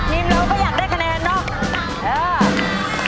ทีมเราก็อยากได้คะแนนเนอะ